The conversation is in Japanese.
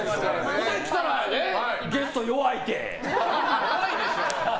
それで来たらゲスト弱いて！